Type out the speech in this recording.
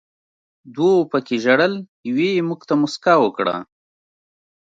دوو پکې ژړل، یوې یې موږ ته موسکا وکړه.